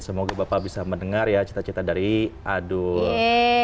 semoga bapak bisa mendengar ya cita cita dari adul